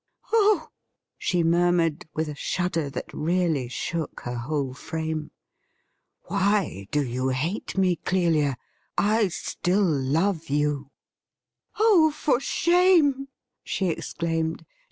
213 ' Oh !' she murmured, with a shudder that really shook her whole frame. ' Why do you hate me, Clelia ? I still love you.' 'Oh, for shame!' she exclaimed.